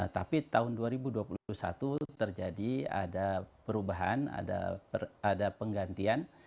tapi tahun dua ribu dua puluh satu terjadi ada perubahan ada penggantian